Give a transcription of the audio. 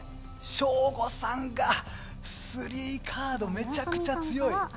省吾さんがスリーカードめちゃめちゃ強い！